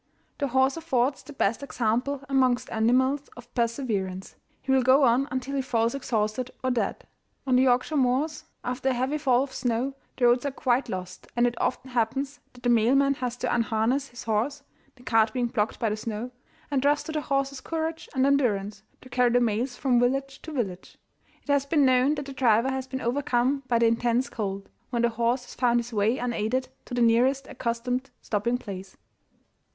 The horse affords the best example amongst animals of perseverance: he will go on until he falls exhausted or dead. On the Yorkshire moors, after a heavy fall of snow, the roads are quite lost, and it often happens that the mailman has to unharness his horse (the cart being blocked by the snow), and trust to the horse's courage and endurance to carry the mails from village to village. It has been known that the driver has been overcome by the intense cold, when the horse has found his way unaided to the nearest accustomed stopping place.